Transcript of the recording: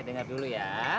eh dengar dulu ya